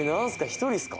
１人っすか？